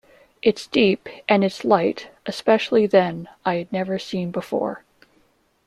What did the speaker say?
It's deep and it's light,' especially then, I had never seen before.